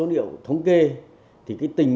để chúng ta phải chấp hành